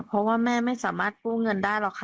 เพราะว่าแม่ไม่สามารถกู้เงินได้หรอกค่ะ